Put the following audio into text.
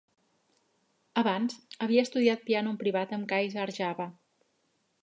Abans, havia estudiat piano en privat amb Kaisa Arjava.